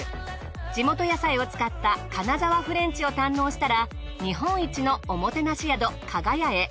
地元野菜を使った金沢フレンチを堪能したら日本一のおもてなし宿加賀屋へ。